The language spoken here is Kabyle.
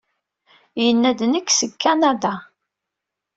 Yenna-d Nekk seg Kanada.